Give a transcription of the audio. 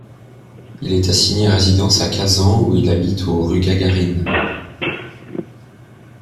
Il est assigné à résidence à Kazan où il habite au rue Gagarine.